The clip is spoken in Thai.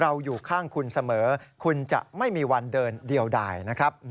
อยู่ข้างคุณเสมอคุณจะไม่มีวันเดินเดียวใดนะครับ